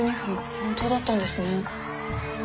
本当だったんですね。